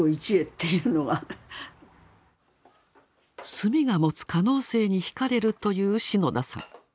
墨が持つ可能性に惹かれるという篠田さん。